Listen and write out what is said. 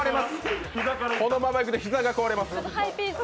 このままいくと膝が壊れます。